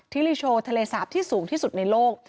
ลิโชว์ทะเลสาปที่สูงที่สุดในโลก